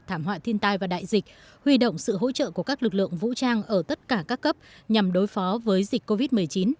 thảm họa thiên tai và đại dịch huy động sự hỗ trợ của các lực lượng vũ trang ở tất cả các cấp nhằm đối phó với dịch covid một mươi chín